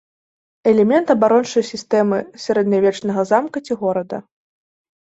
Элемент абарончай сістэмы сярэднявечнага замка ці горада.